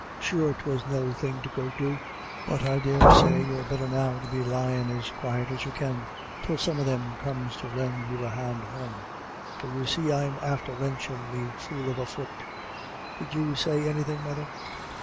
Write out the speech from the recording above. Sure 'twas no thing to go do. But I daresay you're better now to be lyin' as quite as you can, till some of them comes to lend you a hand home ; for you see I'm after wrenchin* i8* IRISH IDYLLS. me fool of a fut. — Did you say anythin', mother